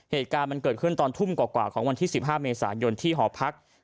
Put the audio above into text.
เหตุการณ์มันเกิดขึ้นตอนทุ่มกว่าของวันที่๑๕เมษายนที่หอพัก